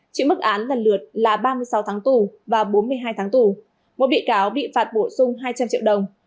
chịu mức án lần lượt là ba mươi sáu tháng tù và bốn mươi hai tháng tù một bị cáo bị phạt bổ sung hai trăm linh triệu đồng